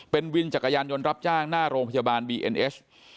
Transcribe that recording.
เป็นวินจักรยานยนต์รับจ้างหน้าโรงพยาบาลบีเอ็นเอส